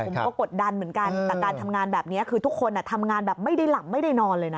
ผมก็กดดันเหมือนกันแต่การทำงานแบบนี้คือทุกคนทำงานแบบไม่ได้หลับไม่ได้นอนเลยนะ